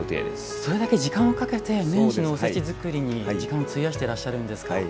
それだけ時間をかけて年始のおせち作りに時間を費やしていらっしゃるんですか。